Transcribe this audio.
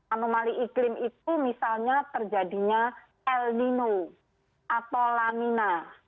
anomali iklim itu misalnya terjadinya el nino atau lamina